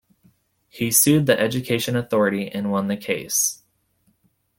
He sued the education authority and won the case.